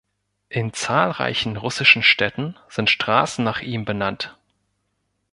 In zahlreichen russischen Städten sind Straßen nach ihm benannt.